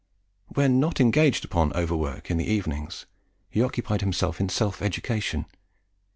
When not engaged upon over work in the evenings, he occupied himself in self education.